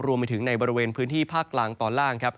รวมไปถึงในบริเวณพื้นที่ภาคกลางตอนล่างครับ